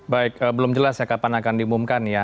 baik belum jelas ya kapan akan diumumkan ya